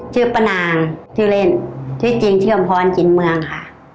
ชื่อปนางที่เล่นที่จีงเธออำพรจิรินเมืองค่ะ